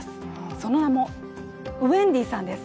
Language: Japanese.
その名も、ウェンディさんです。